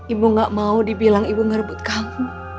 ibu gak mau dibilang ibu ngerebut kamu